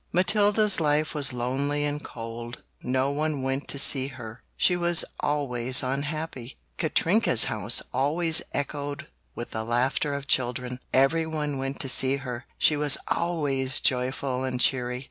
Matilda's life was lonely and cold; no one went to see her. She was always unhappy. Katrinka's house always echoed with the laughter of children; everyone went to see her. She was always joyful and cheery.